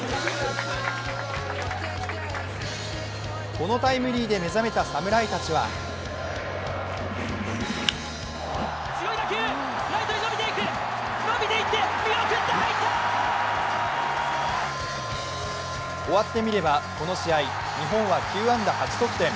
このタイムリーで目覚めた侍たちは終わってみればこの試合日本は９安打８得点。